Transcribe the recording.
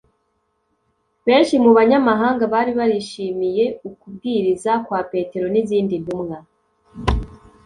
Benshi mu banyamahanga bari barishimiye ukubwiriza kwa Petero n’izindi ntumwa,